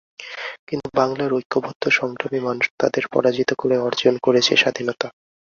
কিন্তু বাংলার ঐক্যবদ্ধ সংগ্রামী মানুষ তাদের পরাজিত করে অর্জন করেছে স্বাধীনতা।